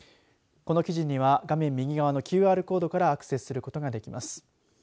この記事には画面右側のＱＲコードからアクセスすることができます。